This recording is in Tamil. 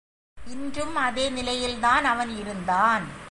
இன்றும் அதே நிலையில்தான் அவன் இருந்தான்.